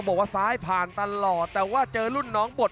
ไม่ผ่านตลอดแต่ว่าเจอรุ่นน้องบด